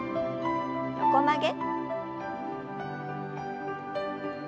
横曲げ。